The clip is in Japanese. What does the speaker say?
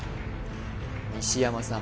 西山さん